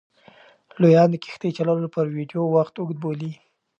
لویان د کښتۍ چلولو پر ویډیو وخت اوږد بولي.